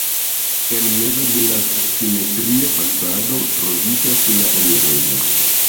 En mezo de la simetria fasado troviĝas la enirejo.